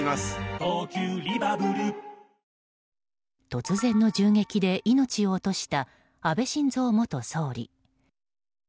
突然の銃撃で命を落とした安倍晋三元総理。